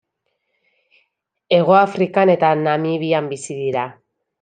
Hego Afrikan eta Namibian bizi dira.